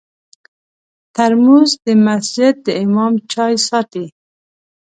ترموز د مسجد د امام چای ساتي.